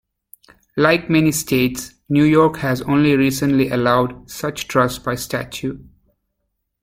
Like many states, New York has only recently allowed such trusts by statute.